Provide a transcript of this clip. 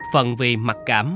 phần vì mặc cảm